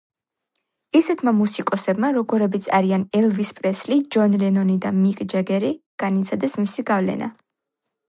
ისეთმა მუსიკოსებმა, როგორებიც არიან ელვის პრესლი, ჯონ ლენონი და მიკ ჯეგერი, განიცადეს მისი გავლენა.